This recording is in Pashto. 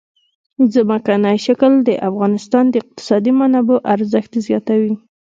ځمکنی شکل د افغانستان د اقتصادي منابعو ارزښت زیاتوي.